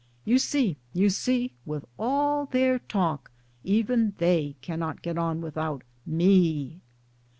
You see, you see, with all their, talk, even they cannot get on without me."